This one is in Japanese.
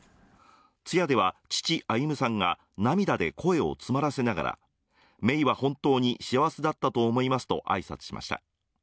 通夜では、父・歩さんが涙で声を詰まらせながら芽生は本当に幸せだったと思いますと挨拶しました。